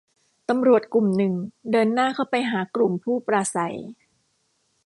ตำรวจกลุ่มหนึ่งเดินหน้าเข้าไปหากลุ่มผู้ปราศรัย